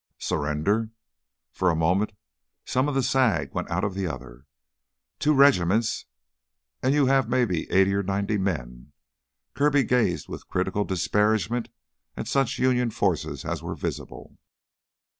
"Surrender!" For a moment some of the sag went out of the other. "Two regiments an' you have maybe eighty or ninety men." Kirby gazed with critical disparagement at such Union forces as were visible.